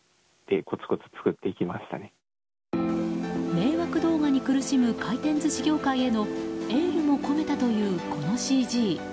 迷惑動画に苦しむ回転寿司業界へのエールも込めたというこのＣＧ。